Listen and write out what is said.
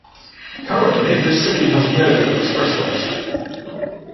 Currently, this city has no expressways.